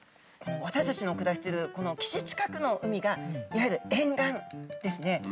私たちの暮らしてるこの岸近くの海がいわゆる沿岸ですね。